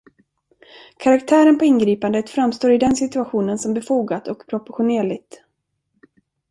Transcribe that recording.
Karaktären på ingripandet framstår i den situationen som befogat och proportionerligt.